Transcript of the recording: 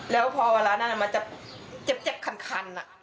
แล้วพอเวลานั้นมันจะเจ็บคัน